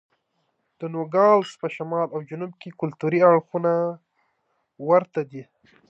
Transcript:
د نوګالس په شمال او جنوب کې کلتوري اړخونه ورته دي.